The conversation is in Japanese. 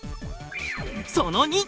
その２。